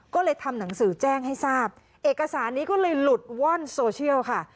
ก็เลยทำหนังสือแจ้งให้ทราบเอกสารนี้ก็เลยหลุดว่อนโซเชียลค่ะ